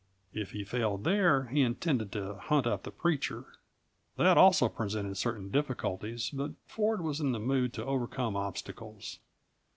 If he failed there, he intended to hunt up the preacher. That, also, presented certain difficulties, but Ford was in the mood to overcome obstacles.